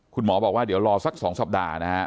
คุณหมอบอกว่าเดี๋ยวรอสัก๒สัปดาห์นะฮะ